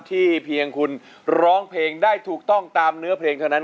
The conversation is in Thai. เพียงคุณร้องเพลงได้ถูกต้องตามเนื้อเพลงเท่านั้น